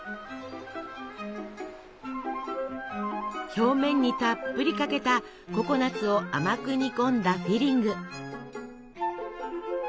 表面にたっぷりかけたココナツを甘く煮込んだフィリング。